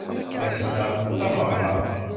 Ass-a d tameɣra.